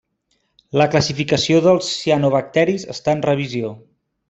La classificació dels cianobacteris està en revisió.